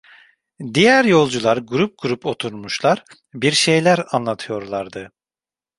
Diğer yolcular grup grup oturmuşlar, bir şeyler anlatıyorlardı.